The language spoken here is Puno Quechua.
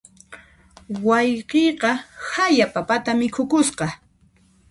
Wayqiyqa haya papata mikhuykusqa.